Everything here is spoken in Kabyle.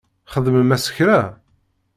Txedmem-as kra?